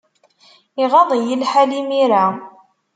Iɣaḍ-iyi lḥal imir-a.